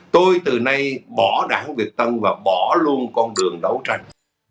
tôi từ nay bỏ đảng việt tân và bỏ luôn con đường đấu tranh